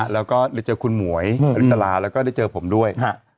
แล้วก็ได้เจอคุณหมวยอลิสลาแล้วก็ได้เจอผมด้วย